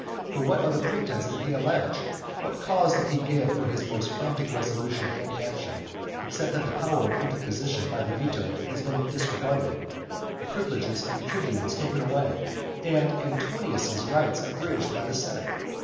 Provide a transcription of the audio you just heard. For what other pretence did he allege? what cause did he give for his own most frantic resolution and action, except that the power of interposition by the veto had been disregarded, the privileges of the tribunes taken away, and Antonius's rights abridged by the senate?